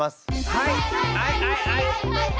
はい。